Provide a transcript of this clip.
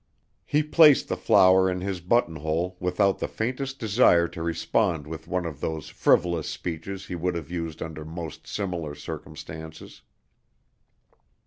He placed the flower in his buttonhole without the faintest desire to respond with one of those frivolous speeches he would have used under most similar circumstances.